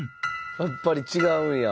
やっぱり違うんや。